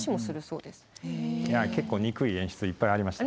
結構憎い演出いっぱいありました。